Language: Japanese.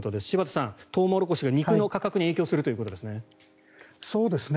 柴田さん、トウモロコシが肉の価格に影響するということですね。